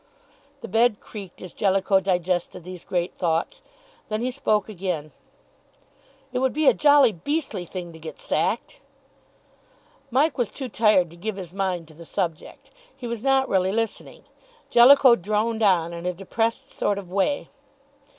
The bed creaked, as Jellicoe digested these great thoughts. Then he spoke again. "It would be a jolly beastly thing to get sacked." Mike was too tired to give his mind to the subject. He was not really listening. Jellicoe droned on in a depressed sort of way.